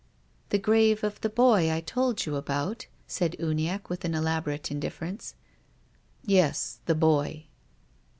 " The grave of the boy I told you about ?" said Uniacke with an elaborate indifference. " Yes, the boy."